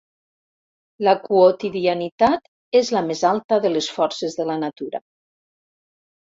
La quotidianitat és la més alta de les forces de la natura”.